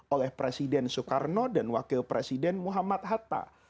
oleh presiden soekarno dan wakil presiden muhammad hatta